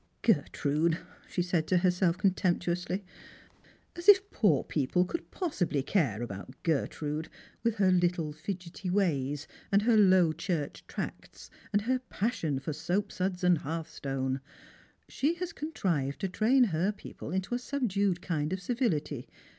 "Gertrude!" she said to herself contemptuously. "As if poor people could possibly care about Gertrude, with her little fidgety ways, and her Low Church tracts, and her passion for Boapsuds and hearthstone ! She has conti ived to train her people into a subdued kind of civility.